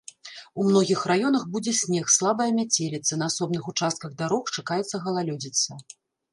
У многіх раёнах будзе снег, слабая мяцеліца, на асобных участках дарог чакаецца галалёдзіца.